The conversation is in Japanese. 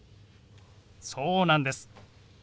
そうなんです。